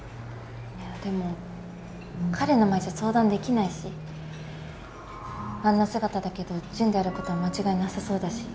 いやでも彼の前じゃ相談できないしあんな姿だけどジュンであることは間違いなさそうだし。